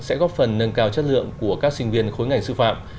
sẽ góp phần nâng cao chất lượng của các sinh viên khối ngành sư phạm